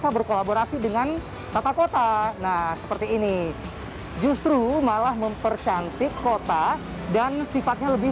berkolaborasi dengan tata kota nah seperti ini justru malah mempercantik kota dan sifatnya lebih